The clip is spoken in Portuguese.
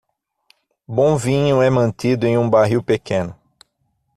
Bom vinho é mantido em um barril pequeno.